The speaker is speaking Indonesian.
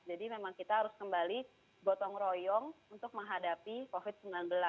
jadi memang kita harus kembali gotong royong untuk menghadapi covid sembilan belas